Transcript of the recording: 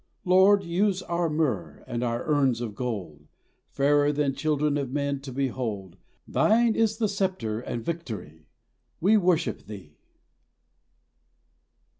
Lord, use our myrrh and our urns of gold; Fairer than children of men to behold, Thine is the sceptre and victory! We worship Thee.